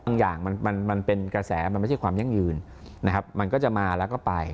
อย่างมันมันเป็นกระแสมันไม่ใช่ความยั่งยืนนะครับมันก็จะมาแล้วก็ไป